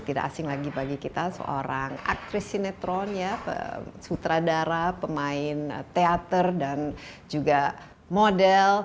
tidak asing lagi bagi kita seorang aktris sinetron ya sutradara pemain teater dan juga model